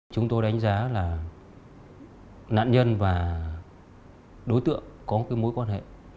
chúng tôi đánh giá là nạn nhân và đối tượng có mối quan hệ